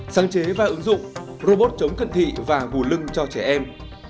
sáng chế và ứng dụng robot chống cận thị và gù lưng cho trẻ em